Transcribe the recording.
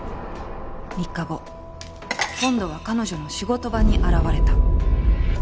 ３日後今度は彼女の仕事場に現れた。